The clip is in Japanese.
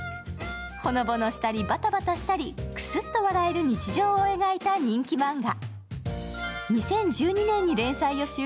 ほのぼのしたり、バタバタしたり、クスッと笑える日常を描いた人気マンガ。